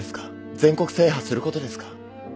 全国制覇することですか？